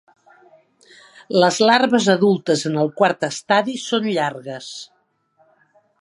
Les larves adultes en el quart estadi són llargues.